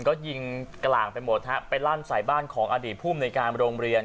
ก็ยิงกลางไปหมดฮะไปลั่นใส่บ้านของอดีตภูมิในการโรงเรียน